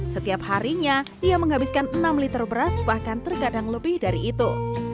setiap harinya ia menghabiskan enam liter beras bahkan terkadang lebih dari itu